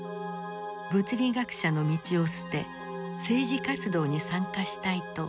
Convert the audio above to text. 物理学者の道を捨て政治活動に参加したいと申し出た。